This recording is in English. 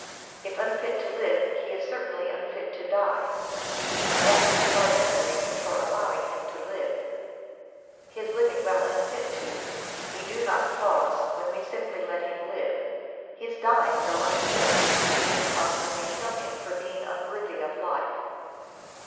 If unfit to live, he is cer tainly unfit to die, and that is a far better reason for allowing him to live. His living while unfit to, we do not cause^ when we simply let him live. His dying, though unfit, we do causOt when we kill him for being unworthy of life.